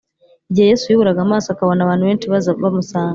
Igihe Yesu yuburaga amaso akabona abantu benshi baza bamusanga